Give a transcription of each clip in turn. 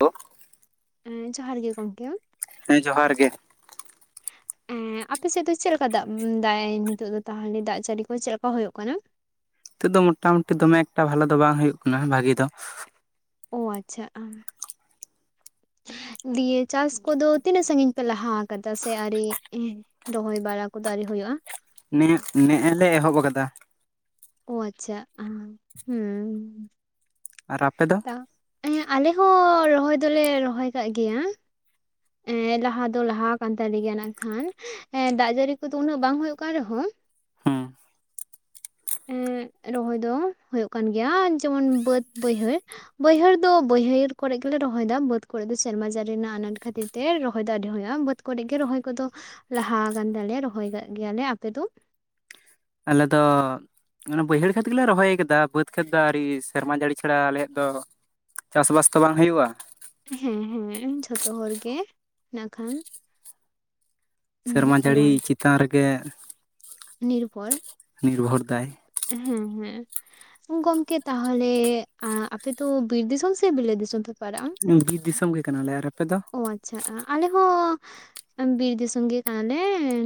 ᱛ ᱩᱢ ᱡᱚᱦᱟᱨ ᱜᱮ ᱜᱚᱢᱠᱮ ᱾ ᱦᱮᱸ ᱡᱚᱦᱟᱨ ᱜᱮ᱾ ᱮᱸ ᱟᱯᱮ ᱥᱮᱫ ᱫᱚ ᱪᱮᱫ ᱞᱮᱠᱟ ᱫᱟᱜ ᱫᱟᱜᱮ ᱱᱤᱛᱚᱜ ᱫᱚ ᱛᱟᱦᱚᱞᱮ ᱫᱟᱜ ᱡᱟᱹᱲᱤ ᱠᱚ ᱪᱮᱫ ᱞᱮᱠᱟ ᱦᱩᱭᱩᱜ ᱠᱟᱱᱟ ᱱᱤᱛᱚᱜ ᱫᱚ ᱢᱴᱟᱢᱩᱴᱤ ᱫᱚᱢᱮ ᱮᱠᱴᱟ ᱵᱷᱟᱞᱚ ᱫᱚ ᱵᱟᱝ ᱦᱩᱭᱩᱜ ᱠᱟᱱᱟ, ᱵᱷᱟᱹᱜᱤ ᱫᱚ ᱚ ᱟᱪᱪᱷᱟ ᱫᱤᱭᱮ ᱪᱟᱥ ᱠᱚᱫᱚ ᱛᱤᱱᱟᱹᱜ ᱥᱟᱺᱜᱤᱧ ᱯᱮ ᱞᱟᱦᱟ ᱟᱠᱟᱫᱟ ᱥᱮ ᱟᱹᱣᱨᱤ? ᱨᱚᱦᱚᱭ ᱵᱟᱲᱟ ᱠᱚ ᱟᱹᱣᱨᱤ ᱦᱩᱭᱩᱜ-ᱟ ᱾ ᱱᱮᱜ ᱱᱮᱜ-ᱮ ᱞᱮ ᱮᱦᱚᱵ ᱟᱠᱟᱫᱟ ᱾ ᱚ ᱟᱪᱪᱷᱟ ᱦᱟ ᱦᱩᱸ ᱾ ᱟᱨ ᱟᱯᱮ ᱫᱚ? ᱦᱮ ᱟᱞᱮ ᱦᱚᱸ ᱨᱚᱦᱚᱭ ᱫᱚᱞᱮ ᱨᱚᱦᱚᱭ ᱠᱟᱜ ᱜᱮᱭᱟ ᱾ ᱮᱸ ᱞᱟᱦᱟ ᱫᱚ ᱞᱟᱦᱟ ᱠᱟᱱ ᱛᱟᱞᱮ ᱜᱮᱭᱟ, ᱱᱟᱜ ᱠᱷᱟᱱ ᱮ ᱫᱟᱜ ᱡᱟᱹᱲᱤ ᱠᱚᱫᱚ ᱩᱱᱟᱹᱜ ᱵᱟᱝ ᱦᱩᱭᱩᱜ ᱠᱟᱱ ᱨᱮᱦᱚᱸ ᱾ ᱦᱩᱸ ᱮᱸᱜ ᱨᱚᱦᱚᱭ ᱫᱚ ᱦᱩᱭᱩᱜ ᱠᱟᱱ ᱜᱮᱭᱟ, ᱡᱮᱢᱚᱱ ᱵᱟᱹᱫ, ᱵᱟᱹᱭᱦᱟᱹᱲ ᱾ ᱵᱟᱹᱭᱦᱟᱹᱲ ᱫᱚ ᱵᱟᱹᱭᱦᱟᱹᱲ ᱠᱚᱨᱮ ᱜᱮᱞᱮ ᱨᱚᱦᱚᱭ ᱫᱟ, ᱵᱟᱹᱫ ᱠᱚᱨᱮ ᱫᱚ ᱥᱮᱨᱢᱟ ᱡᱟᱹᱨᱤ ᱨᱮᱱᱟᱜ ᱟᱱᱟᱴ ᱠᱷᱟᱹᱛᱤᱨ ᱛᱮ ᱨᱚᱦᱚᱭ ᱫᱚ ᱟᱹᱰᱤ ᱦᱩᱭᱩᱜ-ᱟ ᱾ᱵᱟᱹᱫᱽ ᱠᱚᱨᱮ ᱜᱮ ᱨᱚᱦᱚᱭ ᱠᱚᱫᱚ ᱞᱟᱦᱟ ᱠᱟᱱ ᱛᱟᱞᱮᱭᱟ ᱨᱚᱦᱚᱭ ᱠᱟᱜ ᱜᱮᱭᱟᱞᱮ ᱾ ᱟᱯᱮ ᱫᱚ? ᱟᱞᱮ ᱫᱚ ᱚᱱᱟ ᱵᱟᱹᱭᱦᱟᱹᱲ ᱠᱷᱮᱛ ᱜᱮᱞᱮ ᱨᱚᱦᱚᱭ ᱟᱠᱟᱫᱟ ᱾ ᱵᱟᱹᱫᱽ ᱠᱷᱮᱛ ᱫᱚ ᱟᱹᱣᱨᱤ ᱥᱮᱨᱢᱟ ᱡᱟᱹᱲᱤ ᱪᱷᱟᱲᱟ ᱟᱞᱮᱭᱟᱜ ᱫᱚ ᱪᱟᱥᱵᱟᱥ ᱛᱚ ᱵᱟᱝ ᱦᱩᱭᱩᱜ-ᱟ ᱾ ᱦᱮᱸ ᱦᱮᱸ ᱡᱷᱚᱛᱚ ᱦᱚᱲ ᱜᱮ ᱱᱟᱜ ᱠᱷᱟᱱ ᱾ ᱥᱮᱨᱢᱟ ᱡᱟᱹᱲᱤ ᱟᱣᱟᱡᱽ ᱪᱮᱛᱟᱱ ᱨᱮᱜᱮ ᱾ ᱱᱤᱨᱵᱷᱚᱨ ᱱᱤᱨᱵᱷᱚᱨ ᱫᱟᱭ ᱾ ᱦᱮᱸ ᱦᱮᱸ ᱾ ᱜᱚᱢᱠᱮ ᱛᱟᱦᱚᱞᱮ ᱟᱯᱮ ᱫᱚ ᱵᱤᱨ ᱫᱤᱥᱚᱢ ᱥᱮ ᱵᱤᱞᱹᱟᱛ ᱫᱤᱥᱚᱢ ᱯᱮ ᱯᱟᱲᱟᱜ-ᱟ? ᱵᱤᱨ ᱫᱤᱥᱚᱢ ᱜᱮ ᱠᱟᱱᱟᱞᱮ ᱾ ᱟᱨ ᱟᱯᱮ ᱫᱚ? ᱚ ᱟᱪᱪᱷᱟ ᱟᱞᱮ ᱦᱚᱸ ᱵᱤᱨ ᱫᱤᱥᱚᱢ ᱜᱮ ᱠᱟᱱᱟᱞᱮ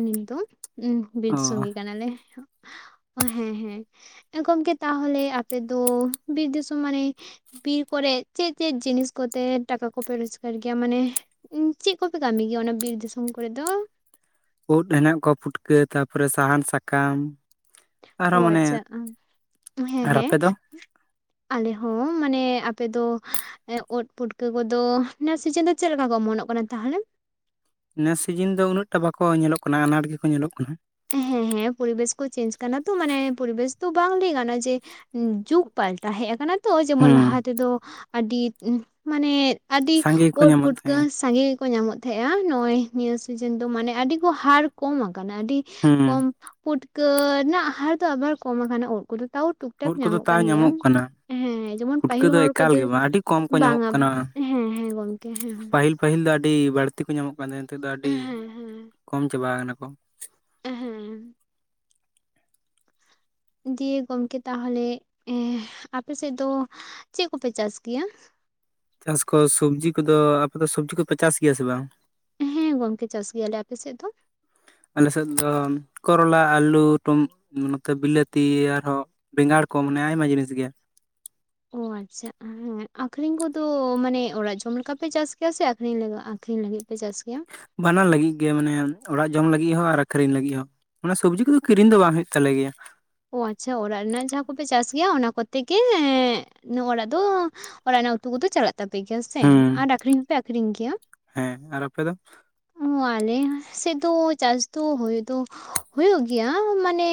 ᱱᱤᱛ ᱫᱚ ᱾ ᱵᱤᱨ ᱚ ᱫᱤᱥᱚᱢ ᱜᱮ ᱠᱟᱱᱟᱞᱮ ᱾ ᱚ ᱦᱮᱸ ᱦᱮᱸ ᱜᱚᱝᱠᱮ ᱛᱟᱦᱚᱞᱮ ᱟᱯᱮ ᱫᱚ ᱵᱤᱨ ᱫᱤᱥᱚᱢ ᱢᱟᱱᱮ ᱵᱤᱨ ᱠᱚᱨᱮ ᱪᱮᱫ ᱪᱮᱫ ᱡᱤᱱᱤᱥ ᱠᱚᱛᱮ ᱴᱟᱠᱟ ᱠᱚᱯᱮ ᱨᱳᱡᱽᱜᱟᱨ ᱜᱮᱭᱟ ᱢᱟᱱᱮ ᱪᱮᱫ ᱠᱚᱯᱮ ᱠᱟᱹᱢᱤ ᱜᱮᱭᱟ ᱚᱱᱟ ᱵᱤᱨ ᱫᱤᱥᱚᱢ ᱠᱚᱨᱮ ᱫᱚ? ᱳᱴ ᱦᱮᱱᱟᱜ ᱠᱚᱣᱟ, ᱯᱩᱴᱠᱟᱹ ᱛᱟᱨᱯᱚᱨᱮ ᱥᱟᱦᱟᱱ, ᱥᱟᱠᱟᱢ ᱾ ᱚ ᱟᱪᱪᱷᱟ ᱦᱮᱸ ᱟᱨ ᱦᱮᱸ ᱟᱯᱮ ᱫᱚ ᱟᱞᱮ ᱦᱚᱸ ᱢᱟᱱᱮ ᱟᱯᱮ ᱫᱚ ᱳᱫ ᱯᱩᱴᱠᱟᱹ ᱠᱚᱫᱚ ᱱᱚᱣᱟ ᱥᱤᱡᱤᱱ ᱫᱚ ᱪᱮᱫ ᱞᱮᱠᱟ ᱠᱚ ᱚᱢᱚᱱᱚᱜ ᱠᱟᱱᱟ ᱛᱟᱦᱚᱞᱮ? ᱱᱮᱥ ᱥᱤᱡᱤᱱ ᱫᱚ ᱩᱱᱟᱹᱜ ᱴᱟ ᱵᱟᱠᱚ ᱧᱮᱞᱚᱜ ᱠᱟᱱᱟ ᱟᱱᱟᱴ ᱜᱮᱠᱚ ᱧᱮᱞᱚᱜ ᱠᱟᱱᱟ ᱾ ᱦᱮᱸ ᱦᱮᱸ ᱯᱚᱨᱤᱵᱮᱥ ᱠᱚ ᱪᱮᱧᱡ ᱠᱟᱱᱟ ᱛᱚ ᱢᱟᱱᱮ ᱯᱚᱨᱤᱵᱮᱥ ᱛᱚ ᱵᱟᱝ ᱞᱟᱹᱭ ᱜᱟᱱᱚᱜ-ᱟ ᱡᱮ ᱡᱩᱜᱽ ᱯᱟᱞᱴᱟᱣ ᱦᱮᱡ ᱠᱟᱱᱟ ᱾ ᱛᱚ ᱡᱮᱢᱚᱱ ᱦᱮᱸ ᱞᱟᱦᱟ ᱛᱮᱫᱚ ᱟᱹᱰᱤ ᱢᱟᱱᱮ ᱟᱹᱰᱤ ᱥᱟᱸᱜᱮ ᱜᱮᱠᱚ ᱳᱫ ᱧᱟᱢᱚᱜ ᱯᱩᱴᱠᱟᱹ ᱛᱟᱦᱮᱸᱜᱼᱟ ᱥᱟᱸᱜᱮ ᱠᱚ ᱧᱟᱢᱚᱜ ᱛᱟᱦᱮᱸᱜ-ᱟ ᱱᱚᱜ-ᱚᱭ ᱱᱤᱭᱟᱹ ᱥᱤᱡᱮᱱ ᱫᱚ ᱢᱟᱱᱮ ᱟᱹᱰᱤ ᱠᱚ ᱦᱟᱨ ᱠᱚᱢ ᱟᱠᱟᱱᱟ ᱾ ᱟᱹᱰᱤ ᱦᱮᱸ ᱠᱚᱢ ᱯᱩᱴᱠᱟᱹ ᱨᱮᱱᱟᱜ ᱦᱟᱨ ᱫᱚ ᱟᱵᱟᱨ ᱠᱚᱢ ᱟᱠᱟᱱᱟ, ᱳᱫ ᱠᱚᱫᱚ ᱛᱟᱣ ᱴᱩᱠ ᱴᱟᱠ ᱩᱫ ᱠᱚᱫᱚ ᱧᱟᱢᱚᱜ ᱛᱟᱣ ᱠᱟᱱ ᱜᱮᱭᱟ ᱠᱟᱱᱟ ᱾ ᱦᱮᱸ ᱡᱮᱢᱚᱱ ᱯᱩᱴᱠᱟᱹ ᱯᱟᱹᱦᱤᱞ ᱫᱚ ᱦᱚᱲ ᱮᱠᱟᱞ ᱠᱚᱫᱚ ᱜᱮ ᱵᱟᱝ ᱟᱹᱰᱤ ᱠᱚᱢ ᱠᱚ ᱧᱟᱢᱚᱜ ᱵᱟᱝᱼᱟ ᱠᱟᱱᱟ ᱦᱮᱸ ᱦᱮᱸ ᱜᱚᱝᱠᱮ ᱦᱮᱸ ᱾ ᱯᱟᱹᱦᱤᱞ ᱯᱟᱹᱦᱤᱞ ᱫᱚ ᱟᱹᱰᱤ ᱵᱟᱹᱲᱛᱤ ᱠᱚ ᱧᱟᱢᱚᱜ ᱠᱟᱱ ᱛᱟᱦᱮᱸᱱᱟ ᱱᱤᱛᱚᱜ ᱫᱚ ᱟᱹᱰᱤ ᱦᱮᱸ ᱠᱚᱢ ᱪᱟᱵᱟ ᱠᱟᱱᱟ ᱠᱚ ᱾ ᱮᱸ ᱦᱮᱸ ᱫᱤᱭᱮ ᱜᱚᱢᱠᱮ ᱛᱟᱦᱚᱞᱮ ᱟᱯᱮ ᱥᱮᱫ ᱫᱚ ᱪᱮᱫ ᱠᱚᱯᱮ ᱪᱟᱥ ᱜᱮᱭᱟ? ᱪᱟᱥ ᱠᱚ ᱥᱚᱵᱽᱡᱤ ᱠᱚᱫᱚ ᱟᱯᱮ ᱫᱚ ᱥᱚᱵᱽᱡᱤ ᱠᱚᱯᱮ ᱪᱟᱥ ᱜᱮᱭᱟ ᱥᱮ ᱵᱟᱝ? ᱦᱮᱸ ᱜᱚᱝᱠᱮ ᱪᱟᱥ ᱜᱮᱭᱟᱞᱮ ᱾ ᱟᱯᱮ ᱥᱮᱫ ᱫᱚ? ᱟᱞᱮ ᱥᱮᱫ ᱫᱚ ᱠᱚᱨᱚᱞᱟ, ᱟᱹᱞᱩ, ᱱᱚᱛᱮ ᱵᱤᱞᱟᱹᱛᱤ ᱟᱨᱦᱚᱸ ᱵᱮᱸᱜᱟᱲ ᱠᱚ ᱢᱟᱱᱮ ᱟᱭᱢᱟ ᱡᱤᱱᱤᱥ ᱜᱮ ᱾ ᱚ ᱟᱪᱪᱷᱟ ᱦᱮᱸ ᱟᱠᱷᱨᱤᱧ ᱠᱚᱫᱚ ᱢᱟᱱᱮ ᱚᱲᱟᱜ ᱡᱚᱢ ᱞᱮᱠᱟ ᱯᱮ ᱪᱟᱥ ᱜᱮᱭᱟ ᱥᱮ ᱟᱠᱷᱨᱤᱧ ᱟᱠᱷᱨᱤᱧ ᱞᱟᱹᱜᱤᱫ ᱯᱮ ᱪᱟᱥ ᱜᱮᱭᱟ? ᱵᱟᱱᱟᱨ ᱞᱟᱹᱜᱤᱫ ᱜᱮ ᱢᱟᱱᱮ ᱚᱲᱟᱜ ᱡᱚᱢ ᱞᱟᱹᱜᱤᱫ ᱦᱚᱸ ᱟᱨ ᱟᱠᱷᱨᱤᱧ ᱞᱟᱹᱜᱤᱫ ᱦᱚᱸ ᱾ ᱚᱱᱟ ᱥᱚᱵᱡᱤ ᱠᱚᱫᱚ ᱠᱤᱨᱤᱧ ᱫᱚ ᱵᱟᱝ ᱦᱩᱭᱩᱜ ᱛᱟᱞᱮ ᱜᱮᱭᱟ ᱾ ᱚ ᱟᱪᱪᱷᱟ ᱚᱲᱟᱜ ᱨᱮᱱᱟᱜ ᱡᱟᱦᱟᱸ ᱠᱚᱯᱮ ᱪᱟᱥ ᱜᱮᱭᱟ ᱚᱱᱟ ᱠᱚᱛᱮ ᱜᱮ ᱚᱲᱟᱜ ᱫᱚ ᱚᱲᱟᱜ ᱨᱮᱱᱟᱜ ᱩᱛᱩ ᱠᱚᱫᱚ ᱪᱟᱞᱟᱜ ᱛᱟᱯᱮ ᱜᱮᱭᱟ ᱥᱮ ᱦᱩᱸ ᱟᱨ ᱟᱠᱷᱨᱤᱧ ᱦᱚᱸᱯᱮ ᱟᱠᱷᱨᱤᱧ ᱜᱮᱭᱟ ᱦᱮᱸ ᱟᱨ ᱟᱯᱮ ᱫᱚ ᱚ ᱟᱞᱮ ᱥᱮᱫ ᱫᱚ ᱪᱟᱥ ᱫᱚ ᱦᱳᱭ ᱫᱚ ᱦᱳᱭᱳᱜ ᱜᱮᱭᱟ ᱢᱟᱱᱮ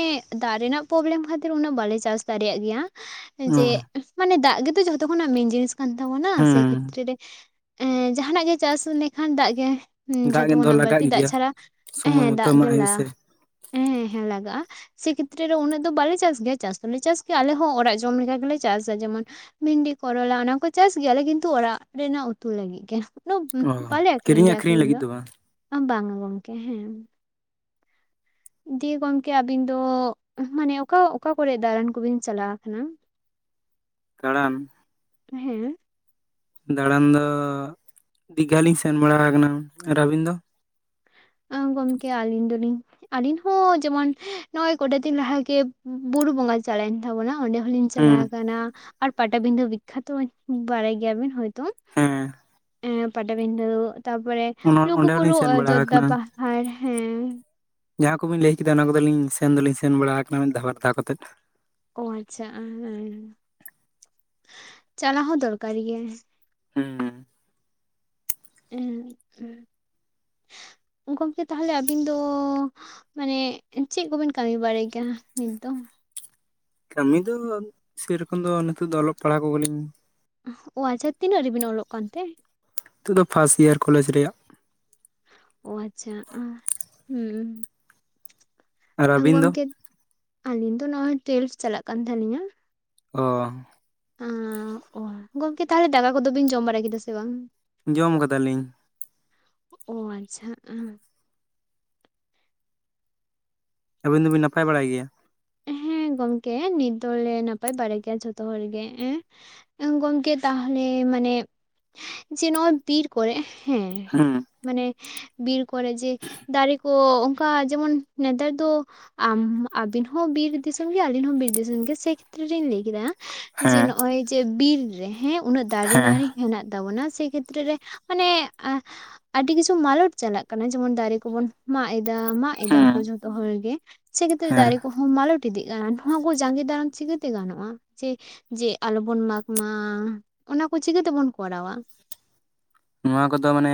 ᱫᱟᱜ ᱨᱮᱱᱟᱜ ᱯᱨᱚᱵᱽᱞᱮᱢ ᱠᱷᱟᱹᱛᱤᱨ ᱩᱱᱟᱹᱜ ᱵᱟᱞᱮ ᱪᱟᱥ ᱫᱟᱲᱮᱭᱟᱜ ᱜᱮᱭᱟ ᱚ ᱡᱮ ᱢᱟᱱᱮ ᱫᱟᱜ ᱜᱮᱛᱚ ᱡᱷᱚᱛᱚ ᱠᱷᱚᱱᱟᱜ ᱢᱮᱱ ᱡᱤᱱᱤᱥ ᱠᱟᱱ ᱛᱟᱵᱚᱱᱟ ᱥᱮ ᱦᱩᱸ ᱠᱷᱮᱛᱨᱮ ᱨᱮ ᱮ ᱡᱟᱦᱟᱱᱟᱜ ᱜᱮ ᱪᱟᱥ ᱞᱮᱠᱷᱟᱱ ᱫᱟᱜ ᱜᱮ ᱦᱩᱸ ᱫᱟᱜ ᱡᱷᱚᱛᱚ ᱫᱚ ᱠᱷᱚᱱᱟᱜ ᱞᱟᱜᱟᱜ ᱵᱟᱹᱲᱛᱤ ᱫᱟᱜ ᱜᱮᱭᱟ ᱪᱷᱟᱲᱟ ᱥᱚᱢᱚᱭ ᱦᱮᱸ ᱢᱚᱛᱚ ᱫᱟᱜ ᱜᱮ ᱮᱢᱟᱜ ᱦᱩᱭᱩᱜ ᱞᱟ ᱥᱮ ᱦᱮᱸ ᱦᱮᱸ ᱞᱟᱜᱟᱼᱟ ᱥᱮ ᱠᱷᱮᱛᱨᱮ ᱨᱮ ᱩᱱᱟᱹᱜ ᱫᱚ ᱵᱟᱞᱮ ᱪᱟᱥ ᱜᱮᱭᱟ ᱪᱟᱥ ᱫᱚᱞᱮ ᱪᱟᱥ ᱜᱮᱭᱟ ᱟᱞᱮ ᱦᱚᱸ ᱚᱲᱟᱜ ᱡᱚᱢ ᱞᱮᱠᱟ ᱜᱮᱞᱮ ᱪᱟᱥᱟ ᱡᱮᱢᱚᱱ ᱵᱷᱤᱱᱰᱤ ᱠᱚᱨᱚᱞᱟ ᱚᱱᱟ ᱠᱚ ᱪᱟᱥ ᱜᱮᱭᱟᱞᱮ ᱠᱤᱱᱛᱩ ᱚᱲᱟᱜ ᱨᱮᱱᱟᱜ ᱩᱛᱩ ᱞᱟᱹᱜᱤᱫ ᱜᱮ ᱚ ᱵᱟᱞᱮ ᱟᱠᱷᱨᱤᱧ ᱠᱤᱨᱤᱧ ᱜᱮᱭᱟ ᱟᱹᱠᱷᱨᱤᱧ ᱟᱠᱷᱨᱤᱧ ᱞᱟᱹᱜᱤᱫ ᱫᱚ ᱵᱟᱝ ᱵᱟᱝᱟ ᱜᱚᱝᱠᱮ ᱦᱮᱸ ᱫᱤᱭᱮ ᱜᱚᱝᱠᱮ ᱟᱵᱤᱱ ᱫᱚ ᱢᱟᱱᱮ ᱚᱠᱟ ᱚᱠᱟ ᱠᱚᱨᱮ ᱫᱟᱬᱟᱱ ᱠᱚᱵᱤᱱ ᱪᱟᱞᱟᱣ ᱠᱟᱱᱟ ᱫᱟᱬᱟᱱ ᱦᱮᱸ ᱫᱟᱬᱟᱱ ᱫᱚ ᱫᱤᱜᱷᱟ ᱞᱤᱧ ᱥᱮᱱ ᱵᱟᱲᱟ ᱠᱟᱱᱟ ᱟᱨ ᱟᱵᱤᱱ ᱫᱚ ᱜᱚᱢᱠᱮ ᱟᱞᱤᱧ ᱫᱚ ᱞᱤᱧ ᱟᱞᱤᱧ ᱦᱚᱸ ᱡᱮᱢᱚᱱ ᱱᱚᱜ-ᱚᱭ ᱠᱚᱴᱟ ᱫᱤᱱ ᱞᱟᱦᱟ ᱵᱩᱨᱩ ᱵᱚᱸᱜᱟ ᱪᱟᱞᱟᱣᱮᱱ ᱛᱟᱵᱚᱱᱟ ᱚᱸᱰᱮ ᱦᱚᱸᱞᱤᱧ ᱦᱩᱸ ᱪᱟᱞᱟᱣ ᱠᱟᱱᱟ ᱟᱨ ᱯᱟᱴᱟᱵᱤᱸᱫᱷᱟᱹ ᱵᱤᱠᱠᱷᱟᱛᱚ ᱵᱟᱲᱟᱭ ᱜᱮᱭᱟᱵᱤᱱ ᱦᱚᱭᱛᱚ ᱦᱮᱸ ᱮ ᱯᱟᱴᱟᱵᱤᱸᱫᱟᱹ ᱛᱟᱯᱚᱨᱮ ᱚᱱᱟ ᱚᱸᱰᱮ ᱦᱚᱞᱤᱧ ᱞᱩᱜᱩᱵᱩᱨᱩ ᱥᱮᱱ ᱵᱟᱲᱟ ᱚᱡᱚᱫᱽᱫᱷᱟ ᱟᱠᱟᱱᱟ ᱯᱟᱦᱟᱲ ᱦᱮᱸ ᱡᱟᱦᱟᱸ ᱠᱚᱵᱤᱱ ᱞᱟᱹᱭ ᱠᱮᱫᱟ ᱚᱱᱟ ᱠᱚᱫᱚ ᱞᱤᱧ ᱥᱮᱱ ᱫᱚᱞᱤᱧ ᱥᱮᱱ ᱵᱟᱲᱟ ᱟᱠᱟᱱᱟ ᱢᱤᱫ ᱫᱷᱟᱣ ᱵᱟᱨ ᱫᱷᱟᱣ ᱠᱟᱛᱮᱫ ᱳ ᱟᱪᱪᱷᱟ ᱦᱮᱸ ᱪᱟᱞᱟᱜ ᱦᱚᱸ ᱫᱚᱨᱠᱟᱨ ᱜᱮᱭᱟ ᱦᱩᱸ ᱦᱮᱸ ᱦᱮᱸ ᱜᱚᱢᱠᱮ ᱛᱟᱦᱚᱞᱮ ᱟᱹᱵᱤᱱ ᱫᱚ ᱢᱟᱱᱮ ᱪᱮᱫ ᱠᱚᱵᱤᱱ ᱠᱟᱹᱢᱤ ᱵᱟᱲᱟᱭ ᱜᱮᱭᱟ ᱱᱤᱛ ᱫᱚ ᱠᱟᱹᱢᱤ ᱫᱚ ᱥᱮ ᱨᱚᱠᱚᱢ ᱫᱚ ᱱᱤᱛᱚᱜ ᱫᱚ ᱚᱞᱚᱜ ᱯᱟᱲᱦᱟᱣ ᱠᱚᱜᱮ ᱞᱤᱧ ᱳ ᱟᱪᱪᱷᱟ ᱛᱤᱱᱟᱹᱜ ᱨᱮᱵᱤᱱ ᱚᱞᱚᱜ ᱠᱟᱱ ᱛᱮ ᱱᱤᱛᱚᱜ ᱫᱚ ᱯᱷᱟᱥᱴ ᱤᱭᱟᱨ ᱠᱚᱞᱮᱡᱽ ᱨᱮᱭᱟᱜ ᱳ ᱟᱪᱪᱷᱟ ᱦᱩᱸ ᱟᱨ ᱟᱹᱵᱤᱱ ᱫᱚ ᱜᱚᱢᱠᱮ ᱟᱞᱤᱧ ᱫᱚ ᱱᱚᱜᱼᱚᱭ ᱴᱩᱭᱮᱞᱵᱷ ᱪᱟᱞᱟᱜ ᱠᱟᱱ ᱛᱟᱹᱞᱤᱧᱟ ᱚ ᱚ ᱜᱚᱢᱠᱮ ᱛᱟᱦᱚᱞᱮ ᱫᱟᱠᱟ ᱠᱚᱫᱚ ᱵᱤᱱ ᱡᱚᱢ ᱵᱟᱲᱟ ᱠᱮᱫᱟ ᱥᱮ ᱵᱟᱝ ᱡᱚᱢ ᱠᱟᱫᱟ ᱞᱤᱧ ᱚ ᱟᱪᱪᱷᱟ ᱟᱹᱵᱤᱱ ᱫᱚᱵᱤᱱ ᱱᱟᱯᱟᱭ ᱵᱟᱲᱟ ᱜᱮᱭᱟ ᱦᱮᱸ ᱜᱚᱝᱠᱮ ᱱᱤᱛ ᱫᱚᱞᱮ ᱱᱟᱯᱟᱭ ᱵᱟᱲᱟ ᱜᱮᱭᱟ ᱡᱷᱚᱛᱚ ᱦᱚᱲ ᱜᱮ ᱦᱮᱸ ᱜᱚᱢᱠᱮ ᱛᱟᱦᱚᱞᱮ ᱢᱟᱱᱮ ᱡᱮ ᱱᱚᱜ-ᱚᱭ ᱛᱤᱨ ᱠᱚᱨᱮ ᱦᱮᱸ ᱦᱩᱸ ᱢᱟᱱᱮ ᱵᱤᱨ ᱠᱚᱨᱮ ᱡᱮ ᱫᱟᱨᱮ ᱠᱚ ᱚᱱᱠᱟ ᱡᱮᱢᱚᱱ ᱱᱮᱛᱟᱨ ᱫᱚ ᱟᱢ ᱟᱹᱵᱤᱱ ᱦᱚᱸ ᱵᱤᱨ ᱫᱤᱥᱚᱢ ᱜᱮ ᱟᱹᱞᱤᱧ ᱦᱚᱸ ᱵᱤᱨ ᱫᱤᱥᱚᱢ ᱜᱮ ᱥᱮ ᱠᱷᱮᱛᱨᱮ ᱞᱤᱧ ᱞᱟᱹᱭ ᱠᱮᱫᱟ ᱡᱮ ᱦᱮᱸ ᱱᱚᱜ-ᱚᱭ ᱡᱮ ᱵᱤᱨ ᱨᱮ ᱦᱮᱸ ᱩᱱᱟᱹᱜ ᱫᱟᱨᱮ ᱦᱮᱸ ᱱᱟᱲᱤ ᱦᱮᱱᱟᱜ ᱛᱟᱵᱚᱱᱟ ᱥᱮ ᱠᱷᱮᱛᱨᱮ ᱨᱮ ᱢᱟᱱᱮ ᱟᱹᱰᱤ ᱠᱤᱪᱷᱩ ᱢᱟᱞᱚᱴ ᱪᱟᱞᱟᱜ ᱠᱟᱱᱟ ᱡᱮᱢᱚᱱ ᱫᱟᱨᱮ ᱠᱚᱵᱚᱱ ᱢᱟᱜᱽ ᱮᱫᱟ ᱢᱟᱜ ᱮᱫᱟ ᱦᱩᱸ ᱠᱚ ᱡᱷᱚᱛᱚ ᱦᱚᱲ ᱜᱮ ᱥᱮᱠᱷᱮᱛ ᱨᱮ ᱦᱮᱸ ᱫᱟᱨᱮ ᱠᱚ ᱦᱚᱸ ᱢᱟᱞᱚᱴ ᱤᱫᱤᱜ ᱠᱟᱱᱟ ᱱᱚᱣᱟ ᱠᱚ ᱡᱟᱸᱜᱮ ᱫᱟᱨᱟᱢ ᱪᱤᱠᱟᱹᱛᱮ ᱜᱟᱱᱚᱜᱼᱟ ᱡᱮ ᱡᱮ ᱟᱞᱚᱵᱚᱱ ᱢᱟᱜᱽ ᱢᱟ ᱚᱱᱟ ᱠᱚ ᱪᱤᱠᱟᱹᱛᱮ ᱵᱚᱱ ᱠᱚᱨᱟᱣᱟ ᱱᱚᱣᱟ ᱠᱚᱫᱚ ᱢᱟᱱᱮ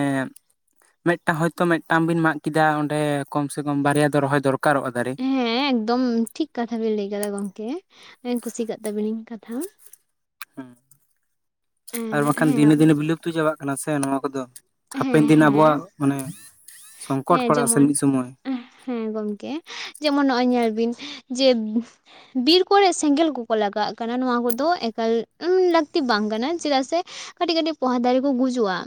ᱢᱮᱴᱴᱟᱝ ᱦᱚᱭ ᱛᱚ ᱢᱮᱴ ᱴᱟᱝ ᱵᱤᱱ ᱢᱟᱜᱽ ᱠᱮᱫᱟ ᱚᱸᱰᱮ ᱠᱚᱢ ᱥᱮ ᱠᱚᱢ ᱵᱟᱨᱭᱟ ᱫᱚ ᱨᱚᱦᱚᱭ ᱫᱚᱨᱠᱟᱨᱚᱜᱼᱟ ᱫᱟᱨᱮ ᱦᱮᱸ ᱮᱠᱫᱚᱢ ᱴᱷᱤᱠ ᱠᱟᱛᱷᱟ ᱵᱮᱱ ᱞᱟᱹᱭ ᱠᱟᱫᱟ ᱜᱚᱝᱠᱮ ᱠᱩᱥᱤ ᱠᱟᱜ ᱛᱟᱵᱤᱱᱟᱹᱧ ᱠᱟᱛᱷᱟ ᱦᱩᱸ ᱮᱸ ᱟᱨ ᱵᱟᱝ ᱠᱷᱟᱱ ᱦᱮᱸ ᱫᱤᱱᱮ ᱫᱤᱱᱮ ᱵᱤᱞᱩᱯᱛᱚ ᱪᱟᱵᱟᱜ ᱠᱟᱱᱟ ᱥᱮ ᱱᱚᱣᱟ ᱠᱚᱫᱚ ᱦᱮᱸ ᱦᱟᱯᱮᱱ ᱫᱤᱱ ᱦᱮᱸ ᱟᱵᱚᱣᱟᱜ ᱢᱟᱱᱮ ᱥᱚᱝᱠᱚᱴ ᱦᱮᱸ ᱯᱟᱲᱟᱜ ᱟ ᱥᱮ ᱡᱮᱢᱚᱱ ᱢᱤᱫ ᱥᱩᱢᱚᱭ ᱦᱮᱸ ᱜᱚᱢᱠᱮ ᱡᱮᱢᱚᱱ ᱱᱚᱜᱼᱚᱭ ᱧᱮᱞ ᱵᱤᱱ ᱡᱮᱼᱼ ᱵᱤᱨ ᱠᱚᱨᱮ ᱥᱮᱸᱜᱮᱞ ᱠᱚᱠᱚ ᱞᱟᱜᱟᱼᱟᱜ ᱠᱟᱱᱟ ᱱᱚᱣᱟ ᱠᱚᱫᱚ ᱮᱠᱟᱞ ᱞᱟᱹᱠᱛᱤ ᱵᱟᱝ ᱠᱟᱱᱟ ᱪᱮᱫᱟᱜ ᱥᱮ ᱠᱟᱹᱴᱤᱡ ᱠᱟᱹᱴᱤᱡ ᱯᱚᱦᱟ ᱫᱟᱨᱮ ᱠᱚ ᱜᱩᱡᱩᱜᱼᱟ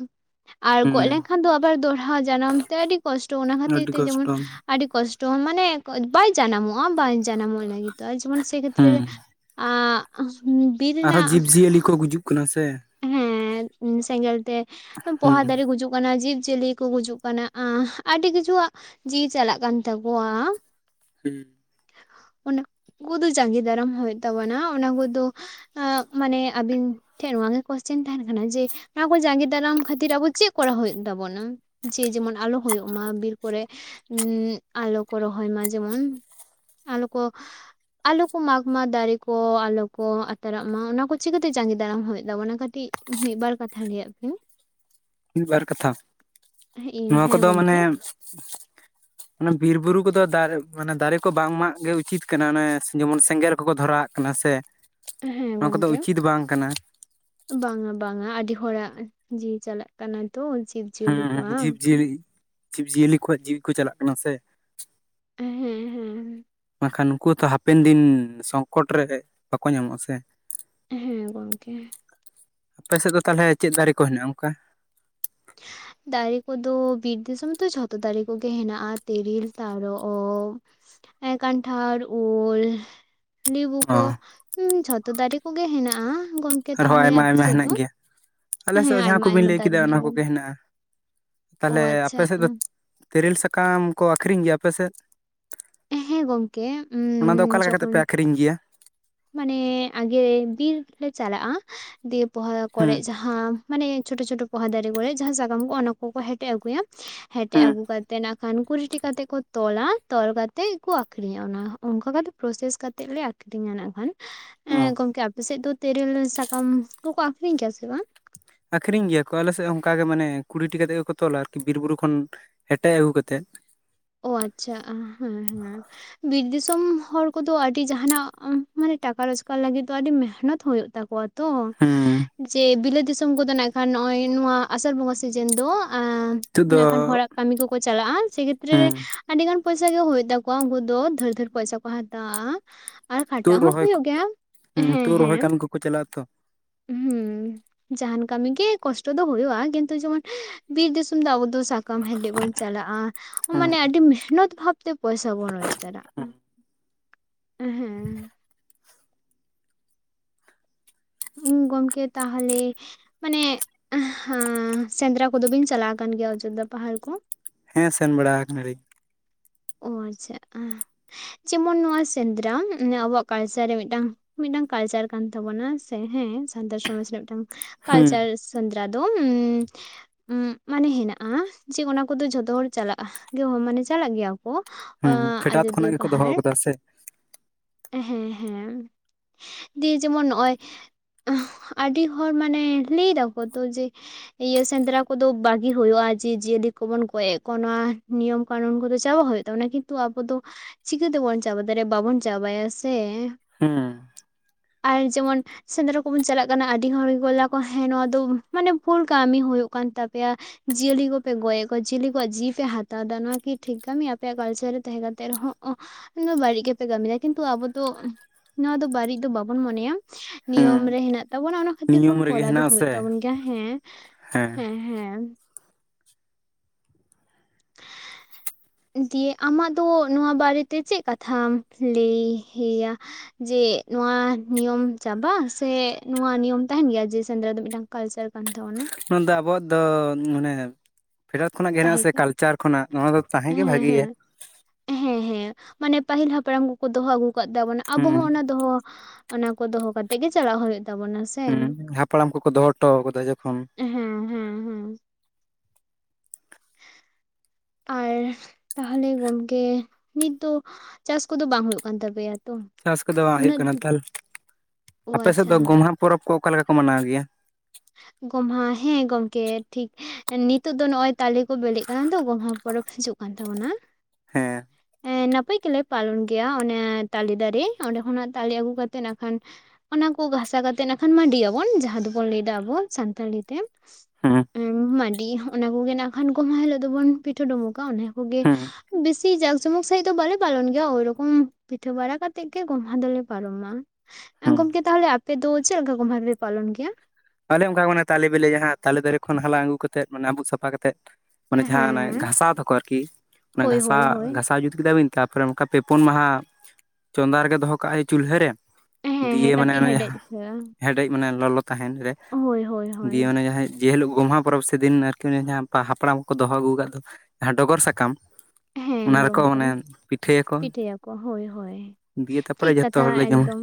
ᱟᱨ ᱜᱚᱡ ᱦᱮᱸ ᱞᱮᱱᱠᱷᱟᱱ ᱫᱚ ᱟᱵᱟᱨ ᱫᱚᱦᱲᱟ ᱡᱟᱱᱟᱢ ᱛᱮ ᱟᱹᱰᱤ ᱠᱚᱥᱴᱚ ᱚᱱᱟ ᱠᱷᱟᱹᱛᱤᱨ ᱟᱹᱰᱤ ᱛᱮ ᱡᱮᱢᱚᱱ ᱠᱚᱥᱴᱚ ᱟᱹᱰᱤ ᱠᱚᱥᱴᱚ ᱢᱟᱱᱮ ᱵᱟᱭ ᱡᱟᱱᱟᱢᱚᱜᱼᱟ ᱵᱟᱭ ᱡᱟᱱᱟᱢᱚᱜ ᱞᱟᱹᱜᱤᱫᱚᱜᱼᱟ ᱡᱮᱢᱚᱱ ᱥᱮ ᱠᱷᱮᱛᱨᱮ ᱨᱮ ᱦᱮᱸ ᱟᱸᱜᱻ ᱦᱩ ᱟᱨᱦᱚᱸ ᱡᱤᱵᱽ ᱡᱤᱭᱟᱹᱞᱤ ᱠᱚ ᱜᱩᱡᱩᱜ ᱠᱟᱱᱟ ᱥᱮ ᱦᱮᱸᱻ ᱥᱮᱸᱜᱮᱞ ᱛᱮ ᱦᱮᱸ ᱯᱚᱦᱟ ᱫᱟᱨᱮ ᱜᱩᱡᱩᱜ ᱠᱟᱱᱟ ᱡᱤᱵ ᱡᱤᱭᱟᱹᱞᱤ ᱠᱚ ᱜᱩᱡᱩᱜ ᱠᱟᱱᱟ ᱟᱹᱰᱤ ᱠᱤᱪᱷᱩᱣᱟᱜ ᱡᱤᱣᱤ ᱪᱟᱞᱟᱜ ᱠᱟᱱ ᱛᱟᱠᱚᱣᱟ ᱦᱩᱸᱻ ᱚᱱᱠᱩ ᱫᱚ ᱡᱟᱸᱜᱮ ᱫᱟᱨᱟᱢ ᱦᱩᱭᱩᱜ ᱛᱟᱵᱚᱱᱟ ᱚᱱᱟ ᱠᱚᱫᱚ ᱮᱻ ᱢᱟᱱᱮ ᱟᱹᱵᱤᱱ ᱴᱷᱮᱱ ᱱᱚᱣᱟ ᱜᱮ ᱠᱚᱥᱪᱮᱱ ᱛᱟᱦᱮᱱ ᱠᱟᱱᱟ ᱡᱮ ᱱᱚᱣᱟ ᱠᱚ ᱡᱟᱸᱜᱮ ᱫᱟᱨᱟᱢ ᱠᱷᱟᱹᱛᱤᱨ ᱟᱵᱚ ᱪᱮᱫ ᱠᱚᱨᱟᱣ ᱦᱩᱭᱩᱜ ᱛᱟᱵᱚᱱᱟ ᱡᱮ ᱡᱮᱢᱚᱱ ᱟᱞᱚ ᱦᱩᱭᱩᱜ ᱢᱟ ᱵᱤᱨ ᱠᱚᱨᱮ ᱟᱞᱚ ᱠᱚ ᱨᱚᱦᱚᱭ ᱢᱟ ᱡᱮᱢᱚᱱ ᱟᱞᱚ ᱠᱚ ᱟᱞᱚ ᱠᱚ ᱢᱟᱜᱽ ᱢᱟ ᱫᱟᱨᱮ ᱠᱚ ᱟᱞᱚ ᱠᱚ ᱟᱛᱟᱨᱟᱜ ᱢᱟ ᱚᱱᱟ ᱠᱚ ᱪᱤᱠᱟᱹ ᱛᱮ ᱡᱟᱸᱜᱮ ᱫᱟᱨᱟᱢ ᱦᱩᱭᱩᱜ ᱛᱟᱵᱚᱱᱟ ᱠᱟᱹᱴᱤᱡ ᱢᱤᱫ ᱵᱟᱨ ᱠᱟᱛᱷᱟ ᱞᱟᱹᱭᱟᱜ ᱠᱚ ᱢᱤᱫᱵᱟᱨ ᱠᱟᱛᱷᱟ ᱱᱚᱣᱟ ᱦᱮᱸ ᱠᱚᱫᱚ ᱢᱟᱱᱮ ᱜᱚᱢᱠᱮ ᱢᱟᱱᱮ ᱵᱤᱨ ᱵᱩᱨᱩ ᱠᱚᱫᱚ ᱫᱟᱨᱼᱼ ᱢᱟᱱᱮ ᱫᱟᱨᱮ ᱠᱚ ᱵᱟᱝ ᱢᱟᱜ ᱜᱮ ᱩᱪᱤᱛ ᱠᱟᱱᱟ ᱚᱱᱮ ᱡᱮᱢᱚᱱ ᱥᱮᱸᱜᱮᱞ ᱠᱚᱠᱚ ᱫᱷᱚᱨᱟᱜ ᱠᱟᱱᱟ ᱥᱮ ᱦᱮᱸ ᱱᱚᱣᱟ ᱠᱚᱫᱚ ᱜᱚᱝᱠᱮ ᱩᱪᱤᱛ ᱵᱟᱝ ᱠᱟᱱᱟ ᱵᱟᱝᱟ ᱵᱟᱝᱟ ᱟᱹᱰᱤ ᱦᱚᱲᱟᱜ ᱡᱤᱣᱤ ᱪᱟᱞᱟᱜ ᱠᱟᱱᱟ ᱛᱚ ᱡᱤᱵᱼᱼ ᱦᱮᱸ ᱦᱮᱸ ᱡᱤᱵᱽᱼᱡᱤᱭᱟᱹᱞᱤ ᱡᱤᱵᱽ-ᱡᱤᱭᱟᱹᱞᱤ ᱠᱚᱣᱟᱜ ᱡᱤᱣᱤ ᱠᱚ ᱪᱟᱞᱟᱜ ᱠᱟᱱᱟ ᱥᱮ ᱮᱻ ᱦᱮᱸ ᱦᱮᱸ ᱵᱟᱝᱠᱷᱟᱱ ᱩᱠᱩ ᱛᱚ ᱦᱟᱯᱮᱱ ᱫᱤᱱ ᱥᱚᱝᱠᱚᱴ ᱨᱮ ᱵᱟᱠᱚ ᱧᱟᱢᱚᱜᱼᱟ ᱥᱮ ᱦᱮᱸ ᱜᱚᱝᱠᱮ ᱟᱯᱮ ᱥᱮᱫ ᱫᱚ ᱛᱟᱦᱞᱮ ᱪᱮᱫ ᱫᱟᱨᱮ ᱠᱚ ᱦᱮᱱᱟᱜᱼᱟ ᱚᱝᱠᱟ [inaudible] ᱫᱟᱨᱮ ᱠᱚᱫᱚ ᱵᱤᱨ ᱫᱤᱥᱚᱢ ᱛᱚ ᱡᱷᱚᱛᱚ ᱫᱟᱨᱮ ᱠᱚᱜᱮ ᱦᱮᱱᱟᱜᱼᱟ ᱛᱤᱨᱤᱞ ᱛᱟᱨᱚᱵ ᱮᱸᱻ ᱠᱟᱱᱴᱷᱟᱲ ᱩᱞ ᱞᱤᱵᱩ ᱠᱚ ᱚ ᱩᱸᱻ ᱡᱷᱚᱛᱚ ᱫᱟᱨᱮ ᱠᱚᱜᱮ ᱦᱮᱱᱟᱜᱼᱟ ᱜᱚᱝᱼᱼ ᱟᱨᱦᱚᱸ ᱟᱭᱢᱟ ᱟᱭᱢᱟ ᱦᱮᱱᱟᱜ ᱜᱮᱭᱟ ᱟᱞᱮ ᱥᱮᱫ ᱦᱮᱸ ᱦᱚᱸ ᱡᱟᱦᱟᱸ ᱟᱭᱢᱟ ᱠᱚ ᱵᱤᱱ ᱟᱭᱢᱟ ᱞᱟᱹᱭ ᱫᱟᱨᱮ ᱠᱮᱫᱟ ᱦᱮᱱᱟᱜ ᱚᱱᱟ ᱜᱮᱭᱟ ᱠᱚᱜᱮ ᱦᱮᱱᱟᱜᱼᱟ ᱚ ᱛᱟᱦᱚᱞᱮ ᱟᱪᱪᱷᱟ ᱟᱯᱮ ᱥᱮᱫ ᱫᱚ ᱛᱤᱨᱤᱞ ᱥᱟᱠᱟᱢ ᱠᱚ ᱟᱹᱠᱷᱨᱤᱧ ᱜᱮᱭᱟ ᱟᱯᱮ ᱥᱮᱫ ᱦᱮᱸ ᱜᱚᱝᱠᱮ ᱚᱱᱟ ᱫᱚ ᱚᱠᱟ ᱞᱮᱠᱟ ᱠᱟᱛᱮᱫ ᱡᱚᱠᱷᱚᱱ ᱯᱮ ᱟᱹᱠᱷᱨᱤᱧ ᱜᱮᱭᱟ ᱢᱟᱱᱮ ᱟᱜᱮ ᱵᱤᱨ ᱞᱮ ᱪᱟᱞᱟᱜᱼᱟ ᱫᱤᱭᱮ ᱯᱚᱦᱟ ᱠᱚᱨᱮ ᱦᱩᱸ ᱡᱟᱦᱟᱸ ᱦᱟᱸᱻ ᱢᱟᱱᱮ ᱪᱷᱳᱴᱳ ᱪᱷᱳᱴᱳ ᱯᱚᱦᱟ ᱫᱟᱨᱮ ᱠᱚᱨᱮ ᱡᱟᱦᱟ ᱥᱟᱠᱟᱢ ᱠᱚᱜᱼᱟ ᱚᱱᱟ ᱠᱚ ᱠᱚ ᱦᱮᱴᱮᱡ ᱟᱹᱜᱩᱭᱟ ᱦᱮᱴᱮᱡ ᱦᱩᱸ ᱟᱹᱜᱩ ᱠᱟᱛᱮ ᱛᱮ ᱱᱟᱜᱽᱠᱷᱟᱱ ᱠᱩᱨᱤᱴᱤ ᱠᱟᱛᱮ ᱠᱚ ᱛᱚᱞᱟ ᱛᱚᱞ ᱠᱟᱛᱮᱜ ᱠᱚ ᱟᱹᱠᱷᱨᱤᱧᱟ ᱚᱱᱟ ᱚᱱᱠᱟ ᱠᱟᱛᱮ ᱯᱨᱚᱥᱮᱥ ᱠᱟᱛᱮᱜ ᱞᱮ ᱟᱹᱠᱷ ᱨᱤᱧ-ᱟ ᱱᱟᱜᱽᱠᱷᱟᱱ ᱚ ᱜᱚᱝᱠᱮ ᱟᱯᱮᱥᱮᱫ ᱫᱚ ᱛᱮᱨᱮᱞ ᱥᱟᱠᱟᱢ ᱠᱚᱠᱚ ᱟᱹᱠᱷᱨᱤᱧ ᱠᱮᱭᱟ ᱥᱮ ᱵᱟᱝ? ᱟᱹᱠᱷᱨᱤᱧ ᱜᱮᱭᱟ ᱠᱚ ᱟᱞᱮᱥᱮᱫ ᱚᱱᱠᱟ ᱜᱮ ᱢᱟᱱᱮ ᱠᱩᱲᱤᱴᱤ ᱠᱟᱛᱮᱜ ᱜᱮᱠᱚ ᱛᱚᱞᱟ ᱟᱨᱠᱤ ᱵᱤᱨ ᱵᱩᱨᱩ ᱠᱷᱚᱱ ᱦᱮᱴᱮᱜ ᱟᱹᱜᱩ ᱠᱟᱛᱮ ᱳ ᱟᱪᱪᱷᱟ ᱟᱸ ᱦᱮᱸ ᱦᱮᱸ ᱵᱤᱨ ᱫᱤᱥᱚᱢ ᱦᱚᱲ ᱠᱚᱫᱚ ᱟᱹᱰᱤ ᱡᱟᱦᱟᱸᱟᱱᱟᱜ ᱢᱟᱱᱮ ᱴᱟᱠᱟ ᱨᱳᱡᱽᱠᱟᱨ ᱞᱟᱹᱜᱤᱫ ᱫᱚ ᱟᱹᱰᱤ ᱢᱮᱦᱱᱚᱛ ᱦᱩᱭᱩᱜ ᱛᱟᱠᱚᱣᱟ ᱛᱚ ᱦᱩᱸ ᱡᱮ ᱵᱤᱞᱟᱹᱛ ᱫᱤᱥᱚᱢ ᱠᱚᱫᱚ ᱱᱟᱜ ᱟᱨ ᱱᱚᱜᱼᱚᱭ ᱱᱚᱣᱟ ᱟᱥᱟᱲ ᱵᱚᱸᱜᱟ ᱥᱤᱡᱮᱱ ᱫᱚ ᱟᱸᱻ ᱱᱤᱛᱚᱜ ᱫᱚ ᱤᱱᱟᱹ ᱠᱷᱟᱱ ᱦᱚᱲᱟᱜ ᱠᱟᱹᱢᱤ ᱠᱚᱠᱚ ᱪᱟᱞᱟᱜᱼᱟ ᱡᱮ ᱦᱩᱸ ᱨᱮ ᱟᱹᱰᱤ ᱜᱟᱱ ᱯᱚᱭᱥᱟ ᱜᱮ ᱦᱩᱭᱩᱜ ᱛᱟᱠᱚᱣᱟ ᱩᱱᱠᱩ ᱫᱚ ᱫᱷᱟᱹᱨ ᱫᱷᱟᱹᱨ ᱯᱚᱭᱥᱟ ᱠᱚ ᱦᱟᱛᱟᱣᱟ ᱟᱨ ᱠᱷᱟᱴᱟᱜ ᱛᱩᱫ ᱦᱚᱸ ᱨᱚᱦᱚᱭ ᱦᱩᱭᱩᱜ ᱜᱮᱭᱟ ᱦᱩᱸ ᱛᱩᱫ ᱨᱚᱦᱚᱭ ᱠᱟᱹᱢᱤ ᱠᱚ ᱠᱚ ᱪᱟᱞᱟᱜᱼᱟ ᱛᱚ ᱦᱩᱸᱻ ᱡᱟᱦᱟᱱ ᱠᱟᱹᱢᱤ ᱜᱮ ᱠᱚᱥᱴᱚ ᱫᱚ ᱦᱩᱭᱩᱜᱼᱟ ᱠᱤᱱᱛᱩ ᱡᱮᱢᱚᱱ ᱵᱤᱨ ᱫᱤᱥᱚᱢ ᱫᱚ ᱟᱵᱚ ᱫᱚ ᱥᱟᱼᱼ ᱠᱟᱢ ᱦᱮᱴᱮᱡ ᱵᱚᱱ ᱪᱟᱞᱟᱜᱼᱟ ᱚᱻ ᱢᱟᱱᱮ ᱦᱩᱸ ᱟᱹᱰᱤ ᱢᱮᱦᱱᱚᱛ ᱵᱷᱟᱵᱽᱼᱼ ᱛᱮ ᱯᱚᱭᱥᱟ ᱵᱚᱱ ᱨᱳᱡᱽᱠᱟᱨᱼᱟ᱾ ᱦᱩᱸ ᱦᱩᱸ ᱜᱚᱢᱠᱮ ᱛᱟᱦᱞᱮ ᱢᱟᱱᱮ ᱟᱸ ᱦᱟᱸ ᱥᱮᱸᱫᱽᱨᱟ ᱠᱚᱫᱚ ᱵᱤᱱ ᱪᱟᱞᱟᱣ ᱠᱟᱱ ᱜᱮᱭᱟ ᱚᱡᱚᱫᱫᱷᱟ ᱯᱟᱦᱟᱲ ᱠᱚ? ᱦᱮᱸ ᱥᱮᱱ ᱵᱟᱲᱟ ᱠᱟᱱᱟᱞᱤᱧ᱾ ᱚ ᱟᱪᱪᱷᱟ ᱡᱮᱢᱚᱱ ᱱᱚᱣᱟ ᱥᱮᱸᱫᱽᱨᱟ ᱟᱵᱚᱣᱟᱜ ᱠᱟᱞᱪᱟᱨ ᱨᱮ ᱢᱤᱫᱴᱟᱝ ᱢᱤᱫᱴᱟᱝ ᱠᱟᱞᱪᱟᱨ ᱠᱟᱱ ᱛᱟᱵᱚᱱᱟ ᱥᱮ ᱦᱮᱸ ᱥᱟᱱᱛᱟᱲ ᱥᱚᱢᱟᱡᱽ ᱨᱮ ᱢᱤᱫᱴᱟᱝ ᱦᱩᱸ ᱠᱟᱞᱪᱟᱨ᱾ ᱥᱮᱱᱫᱨᱟ ᱫᱚ ᱩᱸᱻ ᱩᱸ ᱢᱟᱱᱮ ᱦᱮᱱᱟᱜᱼᱟ ᱡᱮ ᱚᱱᱟ ᱠᱚᱫᱚ ᱡᱷᱚᱛᱚ ᱦᱚᱲ ᱪᱟᱞᱟᱜᱼᱟ ᱜᱮ ᱢᱟᱱᱮ ᱪᱟᱞᱟᱜ ᱜᱮᱭᱟᱢ ᱠᱚ ᱦᱩᱸ ᱟᱸ ᱯᱷᱮᱰᱟᱛ ᱠᱷᱚᱱᱟᱜ ᱟᱡᱚᱫᱤᱭᱟᱹ ᱜᱮᱠᱚ ᱫᱚᱦᱚ ᱯᱟᱦᱟᱲ᱾ ᱟᱠᱟᱫᱟ ᱥᱮ ᱦᱮᱸ ᱦᱮᱸ ᱫᱤᱭᱮ ᱡᱮᱢᱚᱱ ᱱᱚᱜᱼᱚᱭ ᱟᱹᱰᱤ ᱦᱚᱲ ᱢᱟᱱᱮ ᱞᱟᱹᱭ ᱫᱟᱠᱚ ᱛᱚ ᱡᱮ ᱤᱭᱟᱹ ᱥᱮᱸᱫᱽᱨᱟ ᱠᱚᱫᱚ ᱵᱟᱜᱤ ᱦᱩᱭᱩᱜᱼᱟ ᱡᱤ ᱡᱤᱭᱟᱹᱞᱤ ᱠᱚᱵᱚᱱ ᱜᱚᱡ ᱮᱫ ᱠᱚᱣᱟ ᱱᱚᱣᱟ ᱱᱤᱭᱚᱢ ᱠᱟᱱᱩᱱ ᱠᱚᱫᱚ ᱪᱟᱵᱟ ᱦᱩᱭᱩᱜ ᱛᱟᱵᱚᱱᱟ ᱠᱤᱱᱛᱩ ᱟᱵᱚ ᱫᱚ ᱪᱤᱠᱟᱹ ᱛᱮᱵᱚᱱ ᱪᱟᱵᱟ ᱫᱟᱲᱮᱭᱟᱜᱼᱟ ᱵᱟᱵᱚᱱ ᱪᱟᱵᱟᱭᱟ ᱥᱮ᱾ ᱦᱩᱸᱸ ᱟᱨ ᱡᱮᱢᱚᱱ ᱥᱮᱸᱫᱽᱨᱟ ᱠᱚᱵᱚᱱ ᱪᱟᱞᱟᱜ ᱠᱟᱱᱟ ᱟᱹᱰᱤ ᱦᱚᱲ ᱜᱮᱠᱚ ᱜᱳᱞ ᱟᱠᱚ ᱦᱮᱸ ᱱᱚᱣᱟ ᱫᱚ ᱢᱟᱱᱮ ᱵᱷᱩᱞ ᱠᱟᱹᱢᱤ ᱦᱩᱭᱩᱜ ᱠᱟᱱ ᱛᱟᱯᱮᱭᱟ᱾ ᱡᱤᱭᱟᱹᱞᱤ ᱠᱚᱯᱮ ᱜᱚᱡᱮᱫ ᱠᱚᱣᱟ ᱡᱤᱭᱟᱹᱞᱤ ᱠᱚᱣᱟᱜ ᱡᱤᱣᱤ ᱯᱮ ᱦᱟᱛᱟᱣ ᱫᱟ᱾ ᱱᱚᱣᱟᱠᱤ ᱴᱷᱤᱠ ᱠᱟᱢᱤ ᱟᱯᱮᱭᱟᱜ ᱠᱟᱞᱪᱟᱨ ᱨᱮ ᱛᱟᱸᱦᱮ ᱠᱟᱛᱮᱜ ᱨᱮᱦᱚᱸ ᱦᱚᱸ ᱵᱟᱲᱤᱡ ᱜᱮᱯᱮ ᱠᱟᱢᱤ ᱫᱟ᱾ ᱠᱤᱱᱛᱩ ᱟᱵᱚᱫᱚ ᱱᱚᱣᱟ ᱫᱚ ᱵᱟᱹᱲᱤᱡ ᱫᱚ ᱵᱟᱵᱚᱱ ᱢᱚᱱᱮᱭᱟ ᱱᱤᱭᱚᱢ ᱦᱩᱸ ᱨᱮ ᱦᱮᱱᱟᱜ ᱛᱟᱵᱚᱱᱟ ᱚᱱᱟ ᱠᱷᱟᱹᱛᱤᱨ ᱵᱚᱱ ᱱᱤᱭᱚᱢ ᱨᱮᱜᱮ ᱠᱚᱨᱟᱣ ᱫᱚ ᱦᱮᱱᱟᱜ ᱦᱳᱭᱳᱜ ᱟᱥᱮ ᱛᱟᱵᱚᱱ ᱜᱮᱭᱟ᱾ ᱦᱮᱸ ᱦᱮᱸ ᱦᱮᱸ [inaudible] ᱫᱤᱭᱮ ᱟᱢᱟᱜ ᱫᱚ ᱱᱚᱣᱟ ᱵᱟᱨᱮᱛᱮ ᱪᱮᱫ ᱠᱟᱛᱷᱟᱢ ᱞᱟᱹᱭᱼᱭᱟ? ᱡᱮ ᱱᱚᱣᱟ ᱱᱤᱭᱚᱢ ᱪᱟᱵᱟ ᱥᱮ ᱱᱚᱣᱟ ᱱᱤᱭᱚᱢ ᱛᱟᱦᱮᱱ ᱜᱮᱭᱟ ᱡᱮ ᱥᱮᱸᱫᱽᱨᱟ ᱫᱚ ᱢᱤᱫᱴᱟᱝ ᱠᱟᱞᱪᱟᱨ ᱠᱟᱱ ᱛᱟᱵᱚᱱᱟ᱾ ᱱᱚᱣᱟ ᱫᱚ ᱟᱵᱚᱣᱟᱜ ᱫᱚ ᱢᱟᱱᱮ ᱯᱷᱮᱰᱟᱛ ᱠᱷᱚᱱᱟᱜ ᱜᱮ ᱦᱮᱱᱟᱜ ᱟᱥᱮ ᱠᱟᱞᱪᱟᱨ ᱠᱷᱚᱱᱟᱜ ᱱᱚᱣᱟ ᱫᱚ ᱛᱟᱦᱮᱸ ᱜᱮ ᱦᱮᱸ ᱵᱷᱟᱹᱜᱮᱭᱟ᱾ ᱦᱮᱸ ᱦᱮᱸ ᱦᱮᱸ ᱢᱟᱱᱮ ᱯᱟᱹᱦᱤᱞ ᱦᱟᱯᱲᱟᱢ ᱠᱚᱠᱚ ᱫᱚᱦᱚ ᱟᱹᱜᱩ ᱠᱟᱜ ᱛᱟᱵᱚᱱᱟ ᱟᱵᱚ ᱦᱚᱸ ᱦᱩᱸ ᱚᱱᱟ ᱫᱚᱦᱚ ᱚᱱᱟ ᱠᱚ ᱫᱚᱦᱚ ᱠᱟᱛᱮᱜ ᱜᱮ ᱪᱟᱞᱟ ᱦᱳᱭᱳᱜ ᱛᱟᱵᱚᱱᱟ ᱥᱮ᱾ ᱦᱮᱸ ᱦᱩᱸ ᱦᱟᱯᱲᱟᱢ ᱠᱚᱠᱚ ᱫᱚᱦᱚ ᱦᱚᱴᱚ ᱠᱟᱫᱟ ᱡᱚᱠᱷᱚᱱ᱾ ᱦᱩᱸ ᱦᱮᱸ ᱦᱮᱸ [inaudible] ᱟᱨ ᱛᱟᱦᱞᱮ ᱜᱚᱢᱠᱮ ᱱᱤᱛ ᱫᱚ ᱪᱟᱥ ᱠᱚᱫᱚ ᱵᱟᱝ ᱦᱳᱭᱳᱜ ᱠᱟᱱ ᱛᱟᱯᱮᱭᱟ? ᱛᱚ ᱪᱟᱥ ᱠᱚᱫᱚ ᱵᱟᱝ ᱦᱳᱭᱳᱜ ᱩᱱᱟᱹᱜ ᱠᱟᱱᱟ᱾ ᱚ [unintelligible] ᱟᱯᱮ ᱥᱮᱫ ᱫᱚ ᱟᱪᱪᱷᱟ ᱜᱚᱢᱦᱟ ᱯᱚᱨᱚᱵᱽ ᱠᱚ ᱚᱠᱟ ᱞᱮᱠᱟ ᱠᱚ ᱢᱟᱱᱟᱣ ᱜᱮᱭᱟ? ᱜᱚᱢᱦᱟ ᱦᱮᱸ ᱜᱚᱝᱠᱮ ᱴᱷᱤᱠ ᱱᱤᱛᱚᱜ ᱫᱚ ᱱᱚᱜᱼᱚᱭ ᱛᱟᱞᱮ ᱠᱚ ᱵᱤᱞᱮᱜ ᱠᱟᱱᱟ ᱛᱚ ᱜᱚᱢᱦᱟ ᱯᱚᱨᱚᱵᱽ ᱦᱤᱡᱩᱜ ᱠᱟᱱ ᱛᱟᱵᱚᱱᱟ᱾ ᱦᱮᱸ ᱱᱟᱯᱟᱭ ᱜᱮᱞᱮ ᱯᱟᱞᱚᱱ ᱜᱮᱭᱟ ᱚᱱᱮ ᱛᱟᱞᱮ ᱫᱟᱨᱮ ᱚᱸᱰᱮ ᱠᱷᱚᱱᱟᱜ ᱛᱟᱞᱮ ᱟᱹᱜᱩ ᱠᱟᱛᱮᱜ ᱱᱟᱠᱷᱟᱱ ᱚᱱᱟ ᱠᱚ ᱜᱷᱟᱥᱟ ᱠᱟᱛᱮᱜ ᱱᱟᱠᱷᱟᱱ ᱢᱟᱹᱰᱤ ᱭᱟᱵᱚᱱ ᱡᱟᱦᱟᱸ ᱫᱚᱵᱚᱱ ᱞᱮᱭ ᱫᱟ ᱵᱚᱱ ᱥᱟᱱᱛᱟᱞᱤ ᱛᱮ ᱦᱩᱸ ᱮᱸᱢ ᱢᱟᱹᱰᱤ ᱚᱱᱟ ᱠᱚᱜᱮ ᱱᱟᱠᱷᱟᱱ ᱜᱚᱢᱦᱟ ᱦᱤᱞᱳᱜ ᱫᱚᱵᱚᱱ ᱯᱤᱴᱷᱟᱹ ᱰᱳᱸᱵᱳᱠᱟ ᱚᱱᱟ ᱠᱚᱜᱮ᱾ ᱦᱩᱸ ᱵᱮᱥᱤ ᱡᱟᱠ ᱡᱚᱢᱚᱠ ᱥᱟᱺᱦᱤᱡ ᱫᱚ ᱵᱟᱞᱮ ᱯᱟᱞᱚᱱ ᱜᱮᱭᱟ ᱳᱭᱨᱚᱠᱚᱢ ᱯᱤᱴᱷᱟᱹ ᱵᱟᱲᱟ ᱠᱟᱛᱮᱜ ᱜᱮ ᱜᱚᱢᱦᱟ ᱫᱚᱞᱮ ᱯᱟᱨᱚᱢᱟ᱾ ᱟᱸ ᱦᱩᱸ ᱜᱚᱝᱠᱮ ᱛᱟᱦᱞᱮ ᱟᱯᱮ ᱫᱚ ᱪᱮᱫ ᱞᱮᱠᱟ ᱜᱚᱢᱦᱟ ᱯᱮ ᱯᱟᱞᱚᱱ ᱜᱮᱭᱟ? ᱟᱞᱮ ᱚᱱᱠᱟ ᱢᱟᱱᱮ ᱛᱟᱞᱮ ᱵᱮᱞᱮ ᱡᱟᱦᱟᱸ ᱛᱟᱞᱮ ᱫᱟᱨᱮᱹ ᱠᱷᱚᱱ ᱦᱟᱞᱟᱝ ᱟᱹᱜᱩ ᱠᱟᱛᱮᱫ ᱢᱟᱱᱮ ᱟᱵᱩᱜ ᱥᱟᱯᱷᱟ ᱠᱟᱛᱮᱫ ᱢᱟᱱᱮ ᱦᱮᱸ ᱡᱟᱦᱟᱸ ᱚᱱᱮ ᱦᱮᱸ ᱜᱷᱟᱥᱟᱣ ᱫᱚᱠᱚ ᱟᱨᱠᱤ ᱚᱱᱟ ᱦᱳᱭ ᱦᱳᱭ ᱜᱷᱟᱥᱟᱣ ᱦᱳᱭ ᱜᱷᱟᱥᱟᱣ ᱡᱩᱛ ᱠᱮᱫᱟᱵᱤᱱ ᱛᱟᱯᱚᱨᱮ ᱚᱱᱠᱟ ᱯᱮ ᱯᱳᱱ ᱢᱟᱦᱟ ᱪᱚᱸᱫᱟ ᱨᱮᱜᱮ ᱫᱚᱦᱚ ᱠᱟᱜᱼᱟᱭ ᱪᱩᱞᱦᱟᱹ ᱨᱮ᱾ ᱦᱮᱸ ᱦᱮᱸ ᱫᱤᱭᱮ ᱢᱟᱱᱮ ᱠᱟᱹᱴᱤᱡ ᱚᱱᱮ ᱦᱮᱰᱮᱡ ᱡᱟᱦᱟᱸ ᱦᱩᱭᱩᱜᱼᱟ ᱦᱮᱰᱮᱡ ᱢᱟᱱᱮ ᱞᱚᱞᱚ ᱛᱟᱦᱮᱱ ᱨᱮ᱾ ᱦᱳᱭ ᱦᱳᱭ᱾ ᱦᱳᱭ ᱫᱤᱭᱮ ᱢᱟᱱᱮ ᱡᱟᱦᱟᱸᱭ ᱡᱮ ᱦᱮᱞᱳᱜ ᱜᱚᱢᱦᱟ ᱯᱚᱨᱚᱵᱽ ᱥᱮ ᱫᱤᱱ ᱟᱨᱠᱤ ᱚᱱᱮ ᱡᱟᱦᱟ ᱦᱟᱯᱲᱟᱢ ᱠᱚ ᱫᱚᱦᱚ ᱟᱹᱜᱩ ᱠᱟᱫ ᱫᱚ ᱡᱟᱦᱟᱸ ᱰᱚᱜᱚᱨ ᱥᱟᱠᱟᱢ᱾ ᱦᱮᱸ ᱚᱱᱟ ᱨᱮᱠᱚ ᱜᱚᱢᱠᱮ ᱢᱟᱱᱮ ᱯᱤᱴᱷᱟᱹᱭᱟᱠᱚ ᱦᱳᱭ ᱦᱳᱭ᱾ ᱫᱤᱭᱮ ᱴᱷᱤᱠ ᱛᱟᱨᱯᱚᱨᱮ ᱡᱚᱛᱚ ᱠᱟᱛᱷᱟ ᱦᱚᱲᱞᱮ ᱡᱚᱢᱟ ᱮᱠᱫᱚᱢ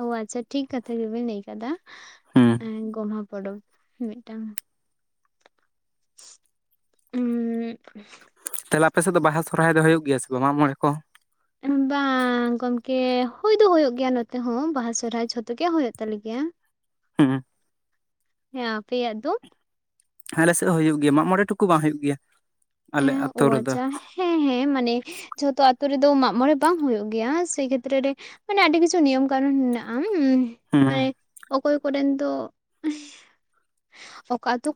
ᱳ ᱟᱪᱪᱷᱟ ᱴᱷᱤᱠ ᱠᱟᱛᱷᱟ ᱜᱮᱵᱮᱱ ᱞᱟᱹᱭ ᱠᱟᱫᱟ᱾ ᱦᱩᱸ ᱦᱮᱸ ᱜᱚᱢᱦᱟ ᱯᱚᱨᱚᱵᱽ ᱢᱤᱫᱴᱟᱝ ᱩᱸᱻ ᱛᱟᱦᱞᱮ ᱟᱯᱮ ᱥᱮᱫ ᱫᱚ ᱵᱟᱦᱟ ᱥᱚᱦᱨᱟᱭ ᱫᱚ ᱦᱳᱭᱳᱜ ᱜᱮᱭᱟ ᱥᱮ ᱢᱟᱜ ᱢᱚᱬᱮ ᱠᱚ? ᱵᱟᱝ ᱜᱚᱢᱠᱮ, ᱦᱳᱭ ᱫᱚ ᱦᱳᱭᱳᱜ ᱜᱮᱭᱟ ᱱᱚᱛᱮ ᱦᱚᱸ ᱵᱟᱦᱟ ᱥᱚᱦᱨᱟᱭ ᱡᱷᱚᱛᱚ ᱜᱮ ᱦᱳᱭᱳᱜ ᱛᱟᱞᱮ ᱜᱮᱭᱟ ᱦᱮᱸ ᱦᱮᱸ, ᱟᱯᱮᱭᱟᱜ ᱫᱚ? ᱟᱞᱮ ᱥᱮᱫ ᱦᱚᱸ ᱦᱩᱭᱩᱜ ᱜᱮᱭᱟ ᱢᱟᱜ ᱢᱚᱬᱮ ᱴᱩᱠᱩ ᱵᱟᱝ ᱦᱩᱭᱩᱜ ᱜᱮᱭᱟ ᱟᱞᱮ ᱦᱮᱸ, ᱟᱛᱳ ᱳ ᱨᱮᱫᱚ ᱟᱪᱪᱷᱟ ᱦᱮᱸ ᱦᱮᱸ ᱢᱟᱱᱮ ᱡᱷᱚᱛᱚ ᱟᱛᱳ ᱨᱮᱫᱚ ᱢᱟᱜ ᱢᱚᱬᱮ ᱵᱟᱝ ᱦᱳᱭᱳᱜ ᱜᱮᱭᱟ, ᱥᱮᱭ ᱠᱷᱮᱛᱨᱮ ᱨᱮ ᱢᱟᱱᱮ ᱟᱹᱰᱤ ᱠᱤᱪᱷᱩ ᱱᱤᱭᱚᱢ ᱠᱟᱱᱩᱱ ᱦᱮᱱᱟᱜ-ᱟ ᱩᱸ ᱦᱩᱸ ᱢᱟᱱᱮ ᱚᱠᱚᱭ ᱠᱚᱨᱮᱱ ᱫᱚ ᱚᱠᱟ ᱟᱛᱳ [unintelligible]